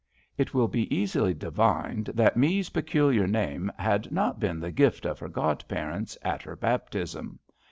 It will be easily divined that Me's peculiar name had not been the gift of her godparents at her baptism.